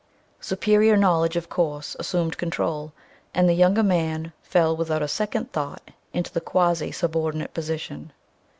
Superior knowledge, of course, assumed control, and the younger man fell without a second thought into the quasi subordinate position.